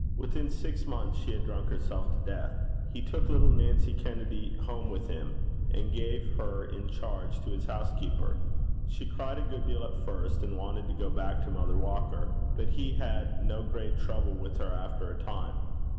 Within six months she had drunk herself to death. He took little Nancy Kennedy home with him, and gave her in charge to his housekeeper. She cried a good deal at first, and wanted to go back to Mother Walker, but he had no great trouble with her after a time.